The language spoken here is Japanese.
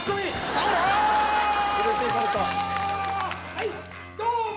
はいどうも！